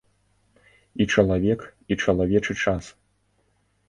І чалавек, і чалавечы час.